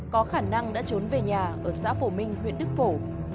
có khả năng đã trốn về nhà ở xã phổ minh huyện đức phổ